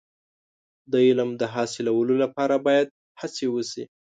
د علم د حاصلولو لپاره باید هڅې وشي.